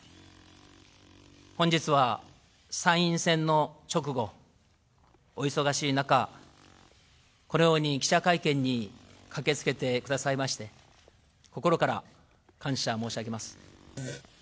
本日は参院選の直後、お忙しい中、このように記者会見に駆けつけてくださいまして、心から感謝申し上げます。